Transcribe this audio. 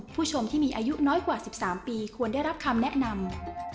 ผู้ชมที่มีอายุน้อยกว่า๑๓ปีควรได้รับคำแนะนำ